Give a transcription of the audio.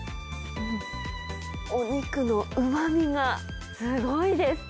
お肉のうまみがすごいです。